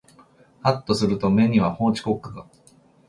はっとすると目には法治国家が